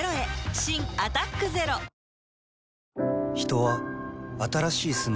新「アタックＺＥＲＯ」んっ！